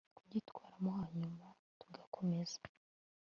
kubyitwaramo hanyuma tugakomeza